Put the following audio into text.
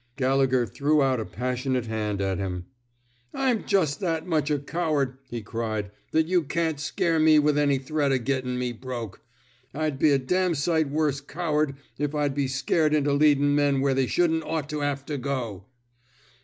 " Gallegher threw out a passionate hand at him. I'm just that much a coward," 39 THE SMOKE EATERS he cried, that you can't scare me with any threat of gettin' me broke. I'd be a damn sight worse coward if I'd be scared into leadin' men where they shouldn't ought to have to go!